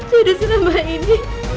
jadi selama ini